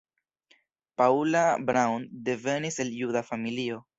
Paula Braun devenis el juda familio.